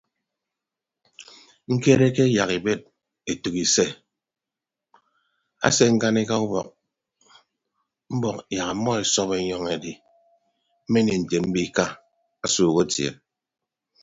Ñkereke yak ibed etәk ise ase ñkanika ubọk mbọk yak ọmmọ esọp enyọñ edi mmenie nte mbiika asuuk atie.